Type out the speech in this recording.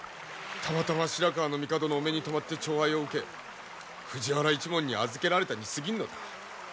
たまたま白河の帝のお目に留まって寵愛を受け藤原一門に預けられたにすぎんのだ。